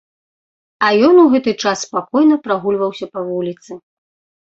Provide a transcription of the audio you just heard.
А ён у гэты час спакойна прагульваўся па вуліцы.